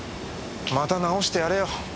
また治してやれよ